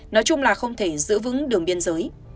nói chung là không thể giữ vững đường biên giới